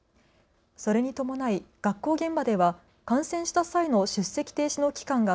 それに伴い学校現場では感染した際の出席停止の期間が